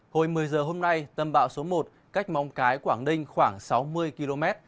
hồi một mươi giờ hôm nay tâm bão số một cách mong cái quảng ninh khoảng sáu mươi km